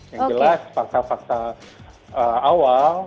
yang jelas fakta fakta awal